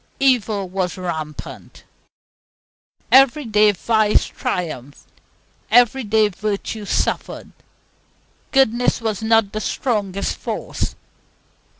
Evil was rampant. Every day vice triumphed, every day virtue suffered. Goodness was not the strongest force.